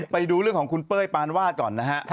ไปดูเรื่องของคุณเป้ยปานวาดก่อนนะฮะ